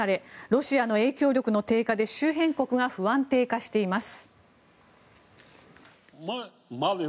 ロシアの影響力の低下で周辺国が不安定化しています。